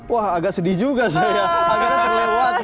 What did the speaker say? wah agak sedih juga saya akhirnya terlewatkan